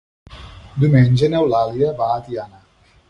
Diumenge n'Eulàlia va a Tiana.